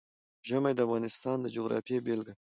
ژمی د افغانستان د جغرافیې بېلګه ده.